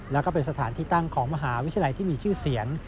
แล้วก็เป็นสถานที่ตั้งของมหาวิทยาลัยที่มีชื่อเสียง